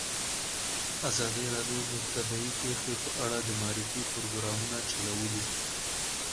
ازادي راډیو د طبیعي پېښې په اړه د معارفې پروګرامونه چلولي.